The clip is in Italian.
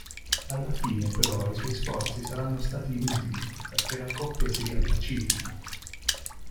Alla fine, però i suoi sforzi saranno stati inutili, perché la coppia si riappacifica.